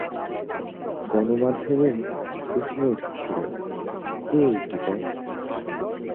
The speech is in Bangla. গণমাধ্যমে প্রশ্ন উঠেছিল কে এই পিটার?